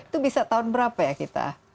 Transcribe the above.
itu bisa tahun berapa ya kita